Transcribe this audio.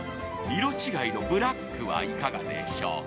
色違いのブラックはいかがでしょうか？